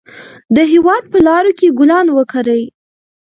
د هېواد په لارو کې ګلان وکرئ.